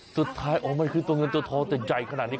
สุดท้ายอ๋อมันคือตัวเงินตัวทองแต่ใหญ่ขนาดนี้